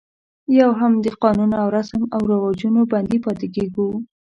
یو هم د قانون او رسم و رواجونو بندي پاتې کېږي.